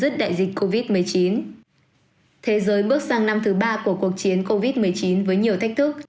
thế giới bước sang năm thứ ba của cuộc chiến covid một mươi chín với nhiều thách thức